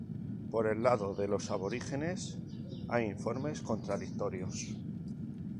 Por el lado de los aborígenes hay informes contradictorios.